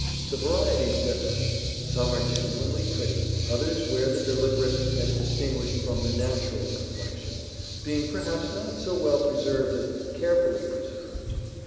The varieties differ. Some are genuinely pretty; others wear the deliberate as distinguished from the natural complexion, being perhaps not so well preserved as carefully preserved.